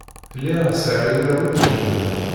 Lliɣ sɛiɣ inaw iwejden.